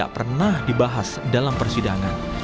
tidak pernah dibahas dalam persidangan